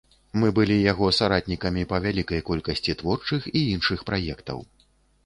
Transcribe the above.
Мы былі яго саратнікамі па вялікай колькасці творчых і іншых праектаў.